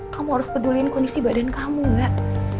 kamu harus peduliin kondisi badan kamu mbak